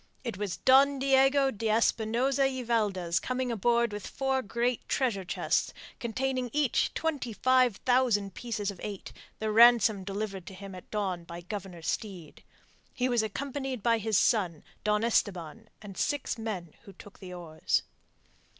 It was Don Diego de Espinosa y Valdez coming aboard with four great treasure chests, containing each twenty five thousand pieces of eight, the ransom delivered to him at dawn by Governor Steed. He was accompanied by his son, Don Esteban, and by six men who took the oars.